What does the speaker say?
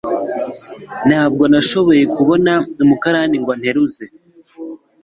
Ntabwo nashoboye kubona umukarani ngo anteruze.